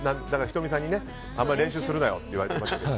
仁美さんにあまり練習するなよって言われてましたから。